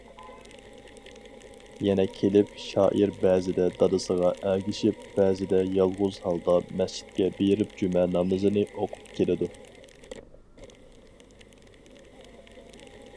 يەنە كېلىپ شائىر بەزىدە دادىسىغا ئەگىشىپ، بەزىدە يالغۇز ھالدا مەسچىتكە بېرىپ جۈمە نامىزىنى ئوقۇپ كېلىدۇ.